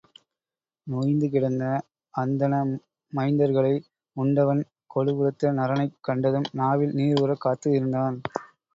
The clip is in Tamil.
நொய்ந்து கிடந்த அந்தண மைந்தர்களை உண்டவன் கொழு கொழுத்த நரனைக் கண்டதும் நாவில் நீர் ஊறக் காத்து இருந்தான்.